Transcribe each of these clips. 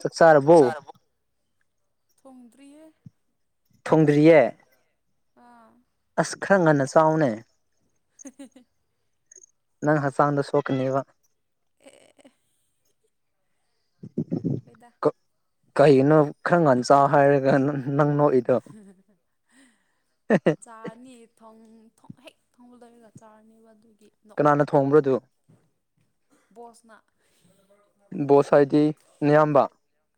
ꯆꯥꯛ ꯆꯔꯕꯣ꯫ ꯊꯣꯡꯗ꯭ꯔꯤꯌꯦ꯫ ꯊꯣꯡꯗ꯭ꯔꯤꯌꯦ꯫ ꯑꯥ꯫ ꯑꯁ ꯈꯔ ꯉꯟꯅ ꯆꯥꯎꯅꯦ꯫ [unintelligible] ꯅꯪ ꯍꯛ ꯆꯥꯡꯗꯣ ꯁꯣꯛꯀꯅꯤꯕ꯫ ꯑꯦ꯫ [unintelligible] ꯀꯩꯅꯣ ꯈꯔ ꯉꯥꯟ ꯆꯥꯎꯍꯥꯏꯔꯒ ꯅꯪꯅꯣꯛ꯫ ꯎꯝ꯫ ꯆꯥꯔꯅꯤ ꯊꯣꯡ ꯍꯦꯛ ꯊꯣꯡꯕ ꯂꯣꯏꯔꯒ ꯆꯥꯔꯅꯤꯕ ꯑꯗꯨꯏ꯫ ꯀꯅꯥꯅ ꯊꯣꯡꯕ꯭ꯔꯣꯗꯨ꯫ ꯕꯣꯁꯅ꯫ ꯕꯣꯁꯍꯥꯏꯗꯤ ꯅꯌꯥꯝꯕ꯫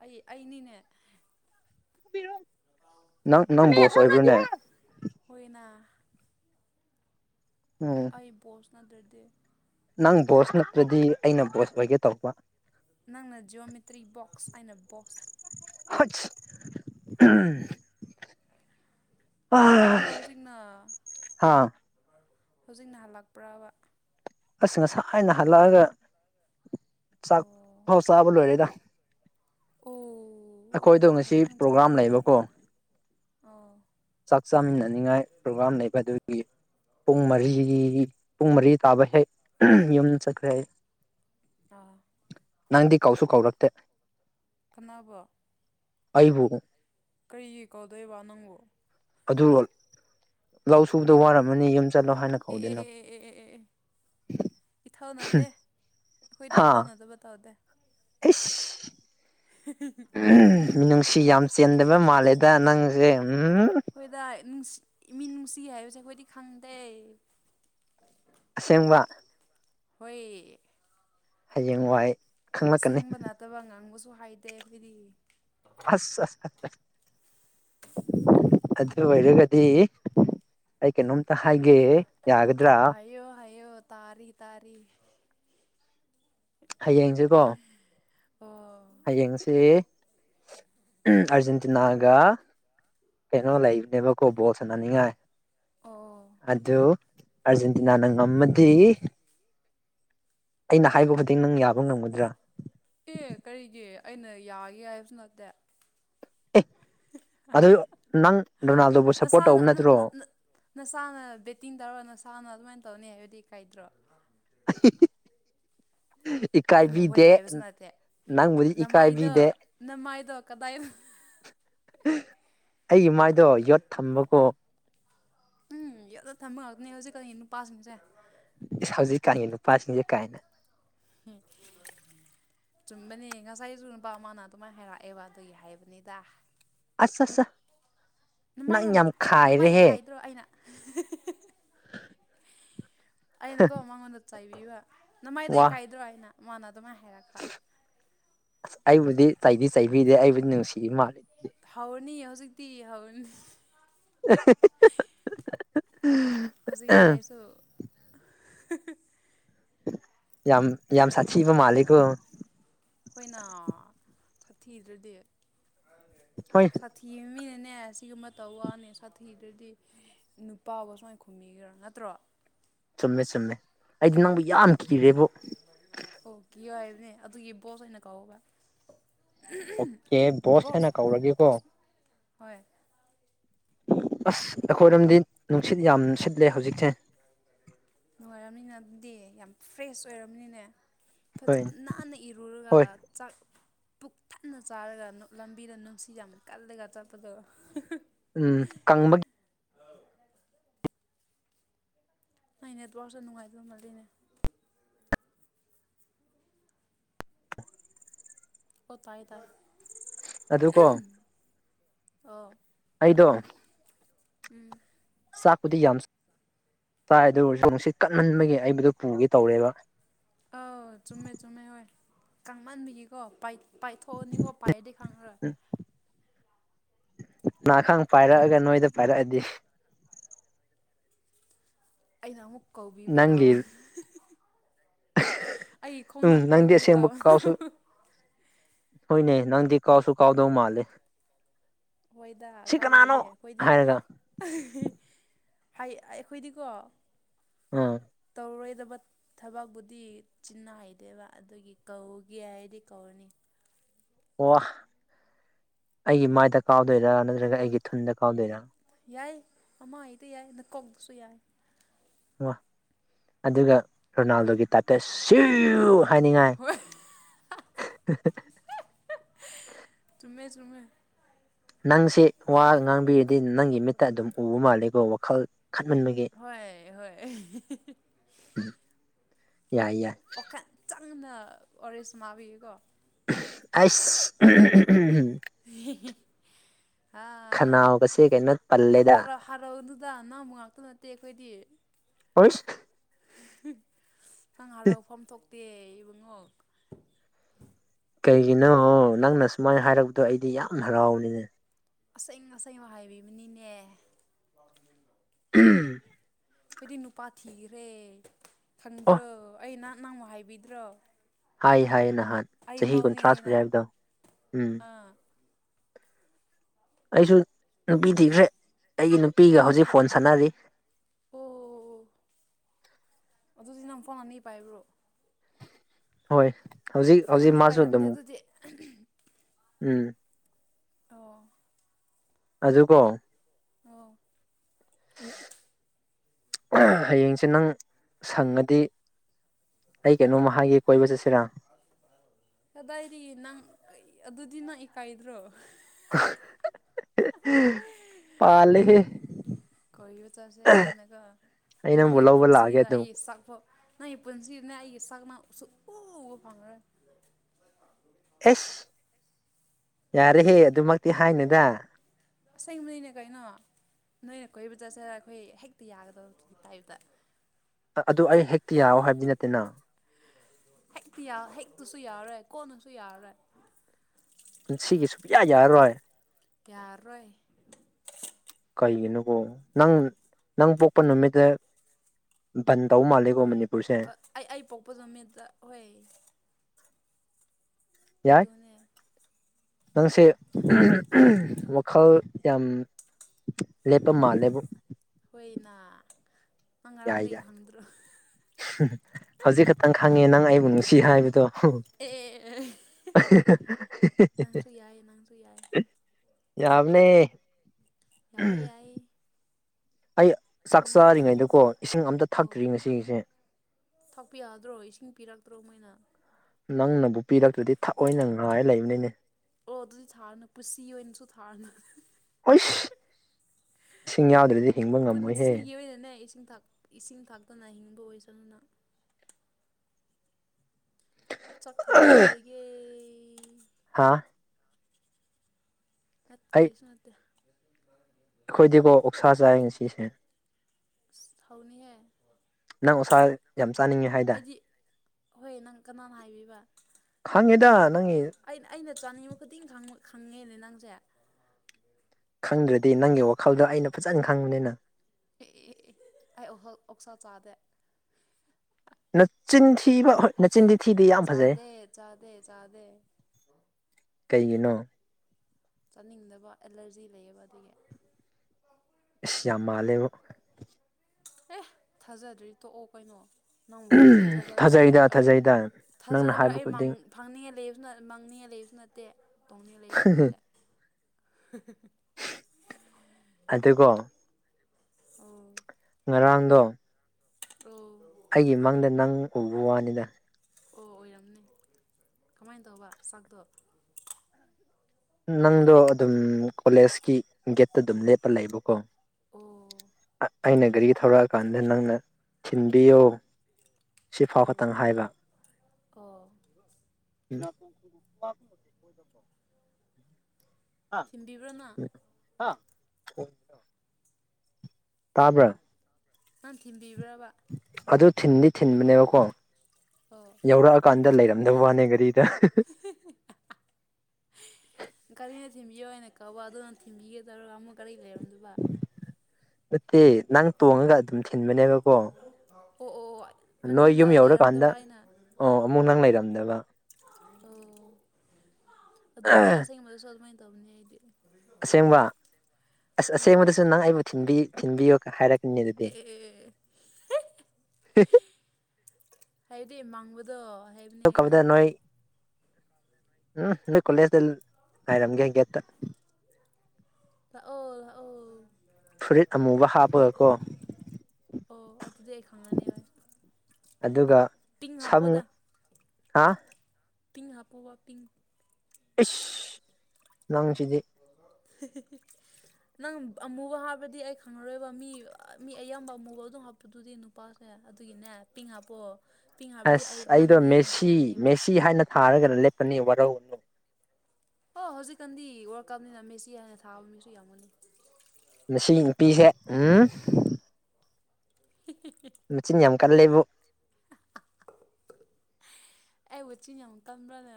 ꯑꯩ ꯑꯩꯅꯤꯅꯦ꯫ ꯅꯪ ꯅꯪ ꯕꯣꯁ ꯍꯥꯏꯕ꯭ꯔꯅꯦ꯫ ꯍꯣꯏꯅ ꯎꯝ ꯑꯩꯕꯣꯁ ꯅꯠꯗ꯭ꯔꯗꯤ꯫ ꯅꯪ ꯕꯣꯁ ꯅꯠꯇ꯭ꯔꯗꯤ ꯑꯩꯅ ꯕꯣꯁ ꯑꯣꯏꯒꯦ ꯇꯧꯕ꯫ ꯅꯪꯅ ꯖꯤꯑꯣꯃꯦꯇ꯭ꯔꯤ ꯕꯣꯛꯁ ꯑꯩꯅ ꯕꯣꯁ꯫ ꯎꯝ꯫ ꯍꯜꯂꯛꯄ꯭ꯔꯣ ꯍꯧꯖꯤꯛꯅ ꯍꯥ ꯍꯧꯖꯤꯛꯅ ꯍꯜꯂꯛꯄ꯭ꯔꯕ꯫ ꯑꯁ ꯉꯁꯥꯏꯅ ꯍꯜꯂꯛꯑꯒ ꯆꯥꯛ ꯑꯣ ꯐꯥꯎ ꯆꯥꯕ ꯂꯣꯏꯔꯦꯗ꯫ ꯑꯣ ꯑꯩꯈꯣꯏꯗꯣ ꯑꯣ ꯀꯩ ꯉꯁꯤ ꯏꯟꯁꯥꯡ ꯄ꯭ꯔꯣꯒ꯭ꯔꯥꯝ ꯆꯥꯒꯦ ꯂꯩꯕꯀꯣ꯫ ꯑꯣ ꯆꯥꯛ ꯆꯥꯃꯤꯟꯅꯅꯤꯡꯉꯥꯏ ꯄ꯭ꯔꯣꯒ꯭ꯔꯥꯝ ꯂꯩꯕ ꯑꯗꯨꯒꯤ꯫ ꯄꯨꯡ ꯃꯔꯤ ꯄꯨꯡ ꯃꯔꯤ ꯇꯥꯕ ꯍꯦꯛ ꯌꯨꯝ ꯆꯠꯈ꯭ꯔꯦ ꯫ ꯑꯥ꯫ ꯅꯪꯗꯤ ꯀꯧꯁꯨ ꯀꯧꯔꯛꯇꯦ꯫ ꯀꯅꯥꯕꯨ꯫ ꯑꯩꯕꯨ꯫ ꯀꯔꯤꯒꯤ ꯀꯧꯗꯣꯏꯕ ꯅꯪꯕꯨ꯫ ꯑꯗꯨ ꯂꯧ ꯁꯨꯕꯗ ꯋꯥꯔꯝꯃꯅꯤ ꯌꯨꯝ꯫ ꯆꯠꯂꯣ ꯍꯥꯏꯅ ꯑꯦ ꯀꯧꯗꯦ ꯑꯦ ꯅꯪ ꯑꯦ ꯑꯦ ꯑꯦ ꯑꯦ꯫ ꯏꯊꯧꯅꯠꯗꯦ ꯑꯩꯈꯣꯏꯗꯤ ꯍꯥ ꯏꯊꯧꯅꯠꯗꯕ ꯇꯧꯗꯦ꯫ ꯏꯁ꯫ [unintelligible] ꯁꯤ ꯌꯥꯝ ꯆꯦꯟꯗꯕ ꯃꯥꯂꯦꯗ ꯅꯪꯁꯦ ꯎꯝ꯫ ꯃꯤꯅꯨꯡꯁꯤ ꯍꯥꯏꯕꯁꯦ ꯑꯩꯈꯣꯏꯗꯤ ꯈꯪꯗꯦ꯫ ꯑꯁꯦꯡꯕ ꯍꯣꯏ ꯍꯌꯦꯡ ꯋꯥꯏ ꯑꯁꯦꯡꯕ ꯅꯠꯇꯕ ꯉꯥꯡꯕꯁꯨ ꯍꯩꯇꯦ ꯑꯩꯈꯣꯏꯗꯤ ꯑꯁ ꯑꯗꯨ ꯑꯣꯏꯔꯒꯗꯤ ꯑꯩ ꯀꯩꯅꯣꯝ ꯍꯥꯏꯌꯣ ꯍꯥꯏꯌꯣ ꯇꯥꯔꯤ ꯇꯥꯔꯤ ꯍꯌꯦꯡꯁꯦ ꯀꯣ ꯑꯣ ꯍꯌꯦꯡꯁꯦ ꯑꯥꯔꯖꯦꯟꯇꯤꯅꯥꯒ ꯀꯩꯅꯣ ꯂꯩꯕꯅꯦꯕ ꯕꯣꯜ ꯁꯥꯅꯅꯤꯉꯥꯏ ꯑꯣ ꯑꯗꯨ ꯑꯥꯔꯖꯦꯟꯇꯤꯅꯥꯅ ꯉꯝꯃꯗꯤ ꯑꯩꯅ ꯍꯥꯏꯕ ꯈꯨꯗꯤꯡ ꯅꯪ ꯌꯥꯕ ꯉꯝꯒꯗ꯭ꯔꯥ ꯑꯦ ꯀꯔꯤꯒꯤ ꯑꯩꯅ ꯌꯥꯒꯦ ꯍꯥꯏꯕꯁꯨ ꯅꯠꯇꯦ ꯑꯦ ꯑꯗꯨ ꯅꯪ ꯔꯣꯅꯥꯜꯗꯣꯕꯨ ꯁꯞꯄꯣꯔꯠ ꯅꯁꯥꯅ ꯇꯧꯕ ꯅꯠꯇ꯭ꯔꯣ ꯅꯁꯥꯅ ꯕꯦꯠꯇꯤꯡ ꯇꯧꯔ ꯅꯁꯥꯅ ꯑꯗꯨꯃꯥꯏꯅ ꯇꯧꯅꯤ ꯍꯥꯏꯕꯗꯤ ꯀꯥꯏꯗ꯭ꯔꯣ [unintelligible] ꯑꯩꯅ ꯍꯣꯏ ꯏꯀꯥꯏꯕꯤꯗꯦ ꯍꯥꯏꯕꯁꯨ ꯅꯠꯇꯦ ꯅꯪꯕꯨꯗꯤ ꯅꯃꯥꯏꯗꯣ ꯏꯀꯥꯏꯕꯤꯗꯦ ꯅꯃꯥꯏꯗꯣ ꯀꯗꯥꯏ ꯑꯩꯒꯤ ꯃꯥꯏꯗꯣ ꯌꯣꯠ ꯊꯝꯕꯀꯣ ꯎꯝ ꯌꯣꯠ ꯊꯝꯕ ꯉꯥꯛꯇꯅꯦ ꯍꯧꯖꯤꯛ ꯀꯥꯟ ꯅꯨꯄꯥꯁꯤꯡꯁꯦ ꯍꯧꯖꯤꯛ ꯀꯥꯟ ꯅꯨꯄꯥꯁꯤꯡꯁꯦ ꯀꯥꯏꯅ ꯎꯝ ꯆꯨꯝꯕꯅꯦ ꯉꯁꯥꯏꯁꯨ ꯅꯨꯄꯥ ꯑꯃꯅ ꯑꯗꯨꯃꯥꯏꯅ ꯍꯥꯏꯔꯛꯑꯦꯕ ꯑꯗꯨꯒꯤ ꯍꯥꯏꯕꯅꯤꯗ ꯑꯁꯁ ꯅꯃꯥꯏ ꯌꯥꯝ ꯅꯃꯥꯏ ꯏꯀꯥꯏꯗ꯭ꯔꯣ ꯑꯩꯅ ꯑꯩꯅꯀꯣ ꯃꯉꯣꯟꯗ ꯆꯩꯕꯤꯕ ꯅꯃꯥꯏꯗꯨ ꯋꯥ ꯏꯀꯥꯏꯗ꯭ꯔꯣ ꯍꯥꯏꯅ ꯃꯥꯅ ꯑꯗꯨꯝꯃꯥꯏ ꯍꯥꯏꯔꯛꯄ ꯑꯁ ꯑꯩꯕꯨꯗꯤ ꯆꯩꯕꯤ ꯆꯩꯕꯤꯗꯦ ꯑꯩꯕꯨꯗꯤ ꯅꯨꯡꯁꯤ ꯃꯥꯜꯂꯤ ꯍꯧꯅꯤ ꯍꯧꯖꯤꯛꯇꯤ ꯍꯧꯔꯅꯤ [unintelligible] ꯍꯧꯖꯤꯛꯗꯤ ꯑꯩꯁꯨ ꯌꯥꯝ ꯌꯥꯝ ꯁꯥꯊꯤꯕ ꯃꯥꯜꯂꯤꯀꯣ ꯀꯩꯅꯣ ꯁꯥꯊꯤꯗ꯭ꯔꯗꯤ ꯍꯣꯏ ꯁꯥꯊꯤꯕ ꯃꯤ ꯅꯦ ꯑꯁꯤꯒꯨꯝꯕ ꯋꯥꯅꯦ ꯁꯥꯊꯤꯗꯔꯗꯤ ꯅꯨꯄꯥꯕꯨ ꯁꯨꯃꯥꯏꯅ ꯈꯨꯝꯕꯤꯒꯔ ꯅꯠꯇ꯭ꯔꯣ ꯆꯨꯝꯃꯦ ꯆꯨꯝꯃꯦ ꯑꯩꯗꯤ ꯅꯪꯕꯨ ꯌꯥꯝ ꯀꯤꯔꯦꯕꯣ ꯑꯦ ꯑꯗꯨꯒꯤ ꯕꯣꯁ ꯑꯣꯏꯅ ꯀꯧꯕ ꯑꯣꯀꯦ ꯕꯣꯁ ꯍꯥꯏꯅ ꯀꯧꯔꯒꯦꯀꯣ ꯍꯣꯏ ꯑꯁ ꯑꯩꯈꯣꯏꯔꯣꯝꯗꯤ ꯅꯨꯡꯁꯤꯠ ꯌꯥꯝ ꯁꯤꯠꯂꯦ ꯍꯧꯖꯤꯛꯁꯦ ꯅꯨꯡꯉꯥꯏꯔꯝꯅꯤꯅ ꯑꯗꯨꯗꯤ ꯌꯥꯝ ꯐ꯭ꯔꯦꯁ ꯑꯣꯏꯔꯝꯅꯤꯅꯦ ꯐꯖ ꯍꯣꯏ ꯅꯥꯟꯅ ꯏꯔꯨꯔꯒ ꯍꯣꯏ ꯆꯥꯛ ꯄꯨꯛ ꯊꯟꯅ ꯆꯥꯔꯒ ꯂꯝꯕꯤꯗ ꯅꯨꯡꯁꯤꯠ ꯌꯥꯝ ꯀꯜꯂꯒ ꯆꯠꯄꯗꯣ ꯎꯝ ꯀꯪꯕꯒꯤ ꯅ ꯅꯦꯠꯋꯥꯛꯁꯨ ꯅꯨꯡꯉꯥꯏꯇ ꯃꯥꯜꯂꯤꯅꯦ ꯑꯣ ꯇꯥꯏ ꯇꯥꯏ ꯑꯗꯨꯀꯣ ꯑꯣ ꯗꯣ ꯎꯝ ꯆꯥꯛꯄꯨꯗꯤ ꯌꯥꯝ ꯆꯥꯏ ꯑꯗꯨ ꯑꯣꯏꯔꯁꯨ ꯅꯨꯡꯁꯤꯠ ꯀꯟꯃꯟꯕꯒꯤ ꯑꯩꯕꯨꯗꯤ ꯄꯨꯒꯦ ꯇꯧꯔꯦꯕ ꯑꯧ ꯆꯨꯝꯃꯦ ꯆꯨꯝꯃꯦ ꯍꯣꯏ ꯀꯥꯡꯃꯥꯟꯕꯤꯒꯤꯀꯣ ꯄꯥꯏꯠ ꯄꯥꯏꯊꯣꯛꯑꯅꯤꯀꯣ ꯄꯥꯏꯗꯤ ꯈꯪꯈ꯭ꯔꯦ ꯉꯅꯥ ꯈꯪ ꯄꯥꯏꯔꯛꯑꯒ ꯅꯣꯏꯗ ꯄꯥꯏꯔꯛꯑꯗꯤꯦ ꯑꯩꯅ ꯑꯃꯨꯛ ꯀꯧꯕꯤꯕ ꯅꯪꯒꯤ ꯇꯥꯕ ꯑꯩ ꯈꯣꯡꯅꯥ ꯎꯝ ꯅꯪꯗꯤ ꯀꯧꯕꯧꯈꯤꯕ ꯑꯁꯦꯡꯕ ꯇꯥꯕ ꯀꯥꯎꯁꯨ ꯍꯣꯏꯅꯦ ꯅꯪꯗꯤ ꯀꯥꯎꯁꯨ ꯀꯥꯎꯗꯧ ꯃꯥꯜꯂꯦ ꯍꯣꯏꯗ ꯁꯤ ꯀꯅꯥꯅꯣ ꯀꯥꯎꯗꯗꯤꯦ ꯑꯩꯈꯣꯏꯗꯤ ꯍꯥꯏꯔꯒ ꯍꯥꯏ ꯑꯩꯈꯣꯏꯗꯤꯀꯣ ꯎꯝ ꯀꯧꯔꯣꯏꯗꯕ ꯊꯕꯛꯄꯕꯨꯗꯤ ꯆꯤꯟꯅꯥꯏꯗꯦꯕ ꯑꯗꯨꯒꯤ ꯀꯧꯒꯦ ꯍꯥꯏꯔꯗꯤ ꯀꯧꯔꯅꯤ ꯑꯣ ꯑꯩꯒꯤ ꯃꯥꯏꯗ ꯀꯥꯎꯗꯣꯏꯔ ꯅꯠꯇ꯭ꯔꯒ ꯑꯩꯒꯤ ꯊꯨꯟꯗ ꯀꯥꯎꯗꯣꯏꯔ ꯌꯥꯏ ꯑꯃ ꯑꯗꯤ ꯌꯥꯏ ꯅ ꯀꯕꯁꯨ ꯌꯥꯏ ꯑꯗꯨꯒ ꯔꯣꯅꯥꯜꯗꯣꯒꯤ ꯇ ꯇ ꯁꯤ ꯍꯥꯏꯅꯤꯡꯉꯥꯏ ꯁꯨꯡꯉꯦ ꯅꯪꯁꯦ ꯋꯥ ꯉꯥꯡꯕꯤꯔꯗꯤ ꯅꯪꯒꯤ ꯃꯤꯠꯇ ꯑꯗꯨꯝ ꯎꯕ ꯃꯥꯜꯂꯦꯀꯣ ꯋꯥꯈꯜ ꯈꯟꯃꯟꯕꯒꯤ ꯍꯣꯏ ꯍꯣꯏ ꯌꯥꯏ ꯌꯥꯏ ꯅꯪꯅ ꯑꯣꯔꯦꯖ ꯃꯥꯕꯤꯌꯦꯀꯣ [inaudible] [inaudible] ꯑ ꯈꯅꯥꯎꯒꯁꯦ ꯀꯩꯅꯣ ꯄꯜꯂꯦꯗ ꯍꯔꯥꯎ ꯍꯔꯥꯎꯗꯨꯗ ꯅ ꯑꯃ ꯉꯥꯛꯇ ꯅꯠꯇꯦ ꯐꯗꯤ [inaudible] ꯅꯪ ꯍꯔꯥꯎꯐꯝ ꯊꯣꯛꯇꯦ ꯏꯕꯨꯡꯉꯣ ꯀꯩꯒꯤꯅꯣ ꯅꯪꯅ ꯁꯨꯃꯥꯏꯅ ꯍꯥꯏꯔꯛꯄꯗꯣ ꯑꯩꯗꯤ ꯌꯥꯝ ꯍꯔꯥꯎꯅꯤꯅꯦ ꯑꯁꯪ ꯑꯁꯪꯕ ꯍꯥꯏꯕꯤꯕꯅꯤꯅꯦ ꯎꯝ ꯑꯩꯈꯣꯏꯗꯤ ꯅꯨꯄꯥ ꯊꯤꯈ꯭ꯔꯦ ꯑꯣ ꯈꯪꯗ꯭ꯔꯣ ꯑꯩ ꯅꯍꯥꯛ ꯅꯍꯪꯨ ꯍꯥꯏꯕꯤꯗ꯭ꯔꯣ ꯍꯥꯏ ꯍꯥꯏꯌꯦ ꯅꯍꯥꯟ ꯑꯩ ꯆꯍꯤ ꯃꯧꯅꯤ ꯀꯨꯟꯊ꯭ꯔꯥ ꯍꯥꯏꯅ ꯁꯨꯔꯦ ꯍꯥꯏꯕꯗꯣ ꯎꯝ ꯑꯥ ꯑꯩꯁꯨ ꯅꯨꯄꯤ ꯊꯤꯈ꯭ꯔꯦ ꯑꯩꯒꯤ ꯅꯨꯄꯤꯒ ꯑꯣ ꯍꯧꯖꯤꯛ ꯐꯣꯟ ꯁꯥꯟꯅꯔꯤ ꯑꯣ ꯑꯗꯨꯗꯤ ꯅꯪ ꯐꯣꯟ ꯑꯅꯤ ꯄꯥꯏꯕ꯭ꯔꯣ ꯍꯣꯏ ꯍꯧꯖꯤꯛ ꯐꯣꯟ ꯍꯧꯖꯤꯛ ꯑꯅꯤ ꯃꯥꯁꯨ ꯄꯥꯏꯔꯝꯅꯦ ꯑꯗꯨꯝ ꯑꯗꯨꯗꯤ ꯎꯝ ꯇ ꯑꯖꯨ ꯀꯣ ꯑꯣ ꯍꯌꯦꯡꯁꯦ ꯅꯪ ꯁꯪꯉꯗꯤ ꯑꯩ ꯀꯩꯅꯣ ꯃꯍꯥꯛꯀꯤꯒꯤ ꯀꯣꯏꯕ ꯆꯠꯁꯤꯔꯥ ꯀꯥꯏꯔꯤ ꯅꯪ ꯑꯗꯨꯗꯤ ꯅ ꯏ ꯀꯥꯏꯗ꯭ꯔꯣ ꯄꯥꯂ ꯍꯦ ꯀꯔꯤ ꯆ ꯑꯁꯦ ꯀꯥꯏ ꯅ ꯀ ꯑꯩ ꯅꯪꯕꯨ ꯅꯪꯒꯤ ꯂꯧꯕ ꯂꯥꯛꯑꯒꯦ ꯄꯨꯟꯁꯤꯗ ꯑꯗꯨꯝ ꯑꯩꯒꯤ ꯆꯥꯛꯄ ꯅꯪꯒꯤ ꯄꯨꯟꯁꯤꯗꯅꯦ ꯑꯩꯒꯤ ꯆꯅ ꯁ ꯐꯉꯦ ꯑꯦꯁ ꯌꯥꯔꯦꯍꯦ ꯑꯗꯨꯃꯛꯇꯤ ꯍꯥꯏꯅꯨꯗ ꯉꯁꯦꯡꯕꯅꯤꯅꯦ ꯀꯩꯅꯣ ꯅꯣꯏꯅ ꯀꯣꯏꯕ ꯆꯠꯁꯔ ꯑꯩꯈꯣꯏ ꯍꯦꯛꯇ ꯌꯥꯒꯗꯕꯒꯤ ꯇꯥꯏꯞꯇ ꯑꯗꯨ ꯑꯩ ꯍꯦꯛꯇ ꯌꯥꯋꯣ ꯍꯥꯏꯕꯗꯤ ꯅꯠꯇꯦꯅ ꯍꯛꯇ ꯍꯦꯛꯇꯨꯁꯨ ꯌꯥꯔꯣꯏ ꯀꯣꯟꯅꯁꯨ ꯌꯥꯔꯔꯣꯏ ꯄꯨꯟꯁꯤꯒꯤ ꯁꯨꯡꯌꯥ ꯌꯥꯔꯔꯣꯏ ꯌꯥꯔꯣꯏ ꯀꯩꯒꯤꯅꯣꯕꯣ ꯅꯪ ꯅꯪ ꯄꯣꯛꯄ ꯅꯨꯃꯤꯠꯇ ꯟ ꯇꯎ ꯃꯥꯂꯦꯒꯣ ꯃꯅꯤ ꯑꯩ ꯑꯩ ꯄꯣꯛꯄꯗꯣ ꯃꯤꯠꯇ ꯍꯣꯏ ꯌꯥꯏ ꯑꯗꯣꯅꯦ ꯅꯪꯁꯦ ꯋꯥꯈꯜ ꯌꯥꯝ ꯂꯦꯄꯃ ꯂꯦꯕꯝ ꯍꯅ ꯌꯥꯏ ꯌꯥꯏ ꯍꯧꯖꯤꯛ ꯈꯛꯇꯪ ꯈꯪꯉꯦ ꯅꯪ ꯑꯩꯕꯨ ꯅꯨꯡꯁꯤ ꯍꯥꯏꯕꯗꯣ ꯍ ꯑꯦ ꯅꯪꯁꯨ ꯌꯥꯏ ꯅꯪꯁꯨ ꯌꯥꯏ ꯌꯥꯕꯅꯦ ꯌꯥꯏ ꯌꯥꯏ ꯑꯩ ꯆꯥꯛ ꯏꯃꯥ ꯆꯥꯔꯤꯉꯩꯗꯀꯣ ꯌꯥꯏ ꯏꯁꯤꯡ ꯑꯝꯇ ꯊꯥꯛꯛꯇ꯭ꯔꯤ ꯉꯁꯤꯒꯤꯁꯦ ꯊꯥꯛꯄꯤꯔꯛꯑꯗ꯭ꯔꯣ ꯏꯁꯤꯡ ꯄꯤꯔꯛꯇ꯭ꯔꯣ ꯃꯣꯏꯅ ꯅꯪꯅꯕꯨ ꯄꯤꯔꯛꯇ꯭ꯔꯗꯤ ꯊꯛꯑꯣꯏꯅ ꯉꯥꯏꯔ ꯂꯩꯕꯅꯤꯅꯦ ꯑꯣ ꯑꯗꯨꯁꯨ ꯊꯥꯅ ꯄꯨꯟꯁꯤ ꯑꯣꯏꯅ ꯑꯣꯏꯅꯁꯨ ꯊꯥꯅ ꯍꯣꯏꯁ ꯏꯁꯤꯡ ꯌꯥꯎꯗ꯭ꯔꯦꯗꯤ ꯄꯨꯟꯁꯤꯒꯤ ꯑꯣꯏꯅꯅꯦ ꯏꯁꯤꯡ ꯏꯁꯤꯡ ꯊꯥꯛꯇꯅ ꯍꯤꯡꯕ ꯑꯣꯏꯁꯅꯨꯅ ꯆꯥꯛ ꯊꯨꯝꯕ ꯍꯧꯔꯒꯦ ꯍꯥꯥ ꯑ ꯀꯩꯁ ꯅꯠꯇꯦ ꯑꯩꯈꯣꯏꯗꯤꯀꯣ ꯑꯣꯛꯁꯥ ꯆꯥꯏ ꯉꯁꯤꯁꯦ ꯑꯁ ꯍꯧꯅꯤꯍꯦ ꯅꯪ ꯑꯣꯁꯥ ꯌꯥꯝ ꯆꯥꯅꯤꯡꯉꯤ ꯍꯥꯏꯗ ꯑꯩꯗꯤ ꯍꯣꯏ ꯅꯪ ꯀꯅꯥꯅ ꯍꯥꯏꯕꯤꯕ ꯈꯪꯉꯦꯗ ꯅꯪꯒꯤ ꯑꯩꯅ ꯑꯩꯅ ꯆꯥꯅꯤꯡꯕ ꯈꯨꯗꯤꯡ ꯈꯪꯉ ꯈꯪꯉꯩꯅ ꯅꯥꯡꯖꯩ ꯈꯪꯗ꯭ꯔꯗꯤ ꯅꯪꯒꯤ ꯋꯥꯈꯜꯗ ꯑꯩꯅ ꯐꯖꯅ ꯈꯪꯕꯅꯤꯅ ꯑꯩ ꯑꯣꯛꯁꯥ ꯆꯥꯗꯦ ꯅ ꯆꯤꯊꯕ ꯍꯣꯏ ꯅ ꯆꯤ ꯆꯥꯗꯦ ꯆꯥꯗꯦ ꯆꯥꯗꯦ ꯀꯩꯒꯤꯅꯣ ꯆꯥꯅꯤꯡꯗꯕ ꯑꯦꯂꯔꯖꯤ ꯂꯩꯌꯦꯕ ꯑꯗꯒꯤ ꯌꯥꯝ ꯃꯥꯂꯦꯕꯣ ꯑꯦ ꯊꯥꯖꯗ꯭ꯔꯤ ꯇꯣꯛꯑꯣ ꯀꯩꯅꯣ ꯊꯥꯖꯩꯗ ꯊꯥꯖꯩꯗ ꯅꯪꯅ ꯐꯖꯔꯣꯏ ꯍꯥꯏꯕ ꯑꯩ ꯈꯨꯗꯤꯡ ꯐꯪꯅꯤꯡꯉꯦꯕꯁꯨ ꯃꯥꯡꯅꯤꯡꯉꯦ ꯂꯩꯕꯁꯨ ꯅꯠꯇꯦ ꯇꯣꯡꯅꯤꯡꯉꯦ ꯂꯩꯕꯁꯨ ꯅꯠꯇꯦ [unintelligible] ꯑꯗꯨꯀꯣ ꯑ ꯃꯔꯥꯡꯗ ꯑꯣ ꯑꯩꯒꯤ ꯃꯪꯗ ꯅꯪ ꯎꯕ ꯋꯥꯅꯤꯗ ꯑꯣ ꯑꯣꯏꯔꯝꯅꯦ ꯀꯃꯥꯏꯅ ꯇꯧꯕ ꯆꯥꯛꯇꯣ ꯅꯪꯗꯣ ꯑꯗꯨꯝ ꯀꯣꯂꯦꯖꯀꯤ ꯒꯦꯠꯇ ꯑꯗꯨꯝ ꯂꯦꯞꯄ ꯂꯩꯕꯀꯣ ꯑꯣ ꯑꯩꯅ ꯒꯥꯔꯤ ꯊꯧꯔꯛꯑꯀꯥꯟꯗ ꯅꯪꯅ ꯊꯤꯟꯕꯤꯌꯣ ꯁꯤꯐꯥꯎ ꯑꯣ ꯈꯇꯪ ꯍꯥꯏꯕ ꯑꯣ ꯣꯏ ꯑ ꯊꯤꯟꯕꯤꯕ꯭ꯔꯥ ꯅꯪ ꯑ ꯇꯥꯕ꯭ꯔꯥ ꯃꯥꯟ ꯊꯤꯟꯗꯤ ꯑꯗꯨ ꯊꯤꯟꯗꯤ ꯊꯤꯟꯕꯅꯦꯕꯀꯣ ꯑꯣ ꯌꯧꯔꯛꯑꯀꯥꯟꯗ ꯂꯩꯔꯝꯗꯕ ꯋꯥꯅꯦ ꯒꯥꯔꯤ [inaudible] ꯒꯥꯔꯤꯅ ꯊꯤꯟꯕꯤꯌꯣ ꯍꯥꯏꯅ ꯀꯧꯕꯧꯕ ꯑꯗꯨꯅ ꯊꯤꯟꯕꯤꯒꯦ ꯇꯧꯔ ꯑꯃꯨꯛ ꯀꯔꯤ ꯂꯩꯔꯝꯗꯕ ꯅꯠꯇꯦ ꯅꯪ ꯇꯣꯡꯉꯒ ꯑꯗꯨꯝ ꯊꯤꯟꯕꯅꯦꯕꯀꯣ ꯑꯣ ꯑꯣ ꯅꯣꯏ ꯌꯨꯝ ꯃꯅꯤꯡꯗ ꯌꯧꯔꯀꯥꯟꯗ ꯂꯩꯔꯝꯗꯕ ꯑꯩꯅ ꯑꯣ ꯑꯃꯨꯛ ꯅꯪ ꯂꯩꯔꯝꯗꯕ ꯑꯣ ꯑꯗꯨꯅꯦ ꯑꯁꯦꯡꯕꯗꯁꯨ ꯑꯗꯨꯃꯥꯏꯅ ꯇꯧꯕꯅꯤ ꯑꯩꯗꯤ ꯑꯁꯦꯡꯕ ꯑꯁ ꯍꯣꯏ ꯑꯁꯦꯡꯕꯗꯁꯨ ꯅꯪ ꯑꯩꯕꯨꯤꯟ ꯊꯤꯟꯕꯤꯌꯨ ꯍꯥꯏꯔꯛꯀꯦ ꯑꯦ ꯑꯗꯤ ꯑꯦ ꯑꯦ ꯑꯦ ꯍꯥꯏꯗꯤ ꯃꯪꯕꯨꯗꯣ ꯀꯕꯤꯗ ꯅꯣꯏ ꯎꯝ ꯅ ꯀꯂꯦꯖꯗ ꯍꯥꯏꯔꯝꯒꯤꯒꯦꯌꯥꯇ ꯊꯥꯛꯑꯣ ꯂꯥꯛꯑꯣ ꯐꯨꯔꯤꯠ ꯑꯃꯨꯕ ꯍꯥꯞꯄꯒꯀꯣ ꯑꯣ ꯑꯗꯨꯗꯤ ꯑꯩ ꯑꯗꯨꯒ ꯇꯤꯡ ꯁꯝ ꯍꯥꯄꯣꯗ ꯍꯥ ꯇꯤꯡ ꯍꯥꯄꯣ ꯇꯤꯡ ꯏ ꯅꯪꯁꯤꯗꯤꯦ [inaudible] ꯅꯪ ꯑꯃꯨꯕ ꯍꯥꯞꯕꯗꯤ ꯑꯩ ꯈꯪꯉꯔꯣꯏꯕ ꯃꯤ ꯃꯤ ꯑꯌꯥꯝꯕ ꯑꯃꯨꯕ ꯑꯗꯨꯝ ꯍꯥꯞꯄꯗꯨꯗꯤ ꯅꯨꯄꯥꯁꯦ ꯍꯥꯏ ꯑꯗꯨꯒꯤꯅꯦ ꯄꯤꯡ ꯍꯥꯄꯣꯑꯣ ꯑꯁ ꯑꯩꯗꯣ ꯃꯦꯁꯤ ꯈꯪꯉꯅꯦꯕ ꯃꯦꯁꯤ ꯍꯥꯏꯅ ꯊꯥꯔꯒꯅ ꯂꯦꯞꯄꯅꯤ ꯋꯥꯔꯧꯅꯨ ꯑꯣ ꯍꯧꯖꯤꯛꯀꯥꯟꯗꯤ ꯋꯥꯔꯜ ꯀꯥꯞꯅꯤꯅ ꯃꯦꯁꯤ ꯍꯥꯏꯅ ꯊꯥꯕ ꯃꯤꯁꯨ ꯌꯥꯝꯃꯅꯤ ꯃꯁꯤꯒꯤ ꯅꯨꯄꯤꯁꯦ ꯎꯝ ꯍꯤ ꯂꯨꯆꯤꯡ ꯌꯥꯝꯀꯥꯟ ꯂꯩꯦ ꯑꯗꯨꯕꯨ ꯑꯩ ꯎꯆꯤ ꯌꯥꯝꯨ ꯀꯝꯕ꯭ꯔꯥꯅꯦ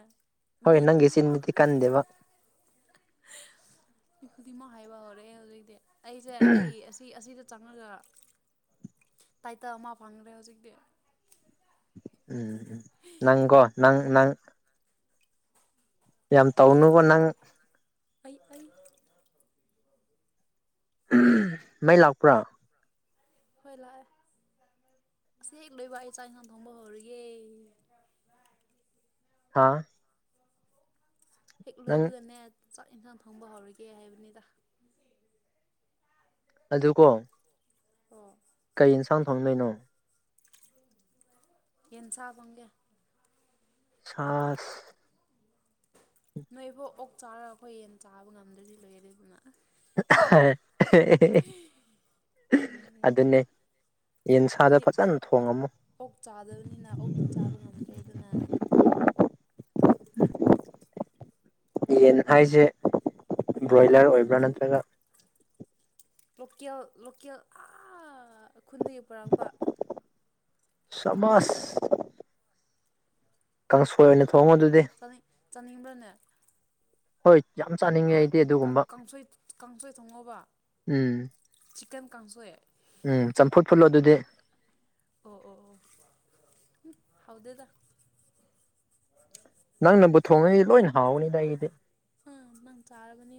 ꯃꯤ ꯍꯣꯏ ꯅꯪꯒꯤ ꯈꯨꯗꯤ ꯃ ꯆꯤꯟꯗꯨꯗꯤ ꯀꯟꯗꯦꯕ ꯃꯤ ꯈꯨ ꯃ ꯑꯩꯁꯦ ꯑꯩ ꯑꯁꯤ ꯑꯁꯤꯗ ꯆꯪꯉꯒ ꯇꯥꯏꯇ ꯑꯃ ꯐꯪꯈ꯭ꯔꯦ ꯍꯧꯖꯤꯛꯇꯤ ꯎꯝ ꯅꯪꯒꯣ ꯅꯪꯪ ꯌꯥꯝ ꯑꯩ ꯇꯧꯅꯨꯒ ꯑꯩ ꯅꯪ ꯑꯩ ꯑ ꯃꯩ ꯂꯥꯛꯄ꯭ꯔꯥ ꯍꯣꯏ ꯂꯥꯛꯦ ꯁ ꯂꯣꯏꯕꯥꯛ ꯆꯥꯏꯉ ꯊꯣꯡꯝꯕꯣꯔꯒꯦ ꯍꯥꯥ ꯍꯦꯛ ꯂꯣꯏꯕꯒꯅꯦ ꯆꯥꯛ ꯌꯦꯟꯁꯥꯡ ꯊꯣꯡꯕ ꯍꯧꯔꯒꯦ ꯍꯥꯏꯕꯅꯤꯗ ꯑꯗꯨꯀꯣ ꯑꯣ ꯀꯩ ꯌꯦꯟꯁꯥꯡ ꯊꯣꯡꯗꯩꯅꯣ ꯌꯦꯟ ꯁꯥꯥꯕꯒꯦ ꯆꯁ ꯅꯣꯏꯕꯨꯣ ꯑꯣꯛ ꯆꯥꯔꯒ ꯑꯩꯈꯣꯏꯟ ꯆꯥꯕ ꯉꯝꯗ꯭ꯔꯗꯤ ꯂꯣꯏꯔꯔꯦ ꯑꯗꯨꯅ ꯑꯗꯨ ꯑꯗꯨꯟꯅꯦ ꯍꯥꯏꯣꯏꯗꯤ ꯑꯣꯛ ꯑꯣꯛ ꯆꯥꯗꯕꯅꯤꯅ ꯑꯣꯛꯇꯤ ꯆꯥꯕ ꯉꯝꯗ꯭ꯔꯦ ꯑꯗꯨꯅ [inaudible] ꯌꯦꯟ ꯍꯥꯏꯁꯦ ꯕ꯭ꯔꯣꯏꯂꯔ ꯑꯣꯏꯕ꯭ꯔꯥ ꯅꯠꯇ꯭ꯔꯒ ꯂꯣꯀꯦꯜ ꯂꯣꯀꯦꯜ ꯈꯨꯟꯗꯒꯤ ꯄꯨꯔꯛꯄ ꯁꯃꯁ ꯀꯁ ꯐ ꯑꯣꯏꯅ ꯑꯗꯨꯗꯤ [unintelligible] ꯆꯟꯕꯔꯥꯅꯦ ꯍꯣꯏ ꯌꯥꯝ ꯆꯥꯅꯤꯡꯉꯦ ꯑꯩꯗꯤ ꯀꯥꯡ ꯑꯗꯨꯒꯨꯝꯕ ꯀꯥꯡꯁꯣꯏ ꯀꯥꯡꯁꯣꯏ ꯊꯣꯡꯉꫭꯕ ꯎꯝ ꯎꯝ ꯆꯝꯐꯨꯠ ꯐꯨꯜꯡꯠꯂꯣ ꯑꯗꯨꯗꯤ ꯑꯣ ꯑꯣ ꯍꯥꯎꯗꯦꯗ ꯅꯪꯅꯕꯨ ꯊꯣꯡꯉꯛꯏꯗꯤ ꯂꯣꯏꯅ ꯍꯥꯎꯕꯅꯤꯗ ꯑꯩꯗꯤ ꯑ ꯅꯪ ꯆꯥꯔ ꯃꯅꯤ